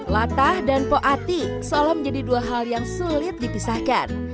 latah dan poati seolah menjadi dua hal yang sulit dipisahkan